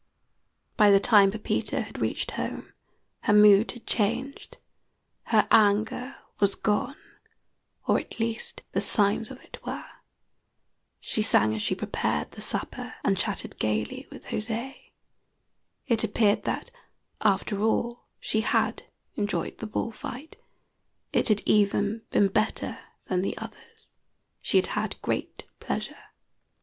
By the time Pepita had reached home her mood had changed her anger was gone, or at least the signs of it were. She sang as she prepared the supper, and chatted gayly with José. It appeared that, after all, she had enjoyed the bull fight; it had even been better than the others; she had had great pleasure.